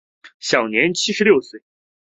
享年七十六岁。